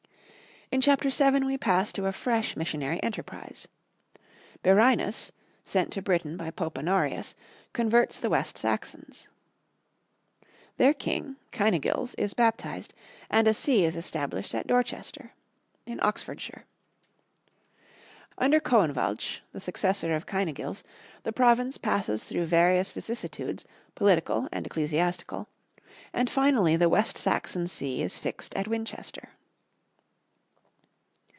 In Chapter 7 we pass to a fresh missionary enterprise. Birinus, sent to Britain by Pope Honorius, converts the West Saxons. Their king, Cynegils, is baptized, and a see is established at Dorchester, in Oxfordshire. Under Coinwalch, the successor of Cynegils, the province passes through various vicissitudes, political and ecclesiastical, and finally the West Saxon see is fixed at Winchester.